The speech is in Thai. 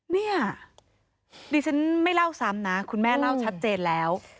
เนี่ยดิฉันไม่เล่าซ้ำนะคุณแม่เล่าชัดเจนแล้ว